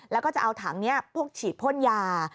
แล้วก็จะเอาถังนี้พวกฉีดพ่นยา